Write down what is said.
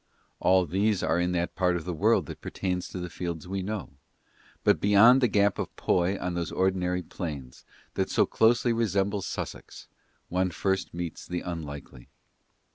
All these are in that part of the world that pertains to the fields we know; but beyond the Gap of Poy on those ordinary plains, that so closely resemble Sussex, one first meets the unlikely.